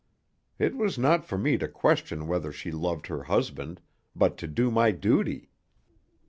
It was not for me to question whether she loved her husband, but to do my duty.